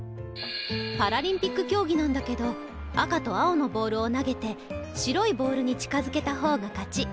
パラリンピック競技なんだけど赤と青のボールを投げて白いボールに近づけた方が勝ち。